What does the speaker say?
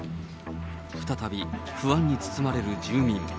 再び不安に包まれる住民。